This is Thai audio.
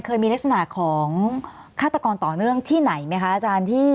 เคยมีลักษณะของฆาตกรต่อเนื่องที่ไหนไหมคะอาจารย์